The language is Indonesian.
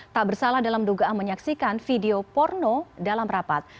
tak bersalah dalam dugaan menyaksikan video porno dalam rapat